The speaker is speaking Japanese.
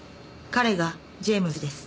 彼がジェームズです。